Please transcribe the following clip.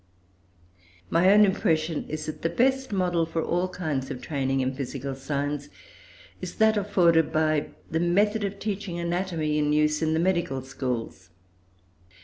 My own impression is, that the best model for all kinds of training in physical science is that afforded by the method of teaching anatomy, in use in the medical schools.